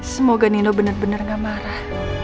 semoga nino bener bener gak marah